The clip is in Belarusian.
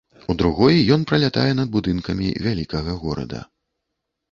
У другой ён пралятае над будынкамі вялікага горада.